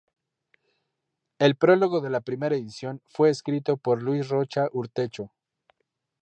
El prólogo de la primera edición fue escrito por Luis Rocha Urtecho.